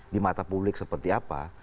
di mata publik seperti apa